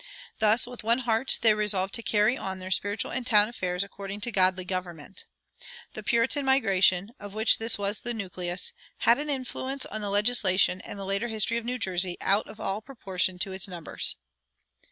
Thus "with one heart they resolved to carry on their spiritual and town affairs according to godly government." The Puritan migration, of which this was the nucleus, had an influence on the legislation and the later history of New Jersey out of all proportion to its numbers.